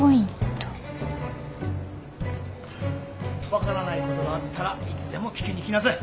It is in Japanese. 分からないことがあったらいつでも聞きに来なさい。